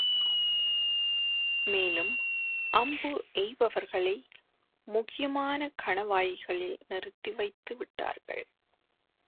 மேலும், அம்பு எய்பவர்களை, முக்கியமான கணவாய்களில் நிறுத்தி வைத்து விட்டார்கள்.